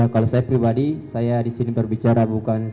kalau saya pribadi saya di sini berbicara bukan